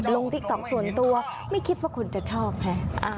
ลงที่อีก๒ส่วนตัวไม่คิดว่าคนจะชอบค่ะ